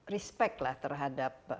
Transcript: respect lah terhadap